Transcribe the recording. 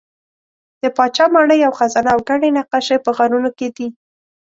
د پاچا ماڼۍ او خزانه او ګڼې نقاشۍ په غارونو کې دي.